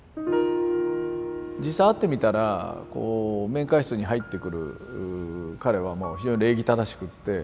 実際会ってみたらこう面会室に入ってくる彼はもう非常に礼儀正しくって。